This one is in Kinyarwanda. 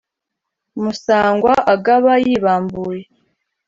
musangwa agaba yibambuye ,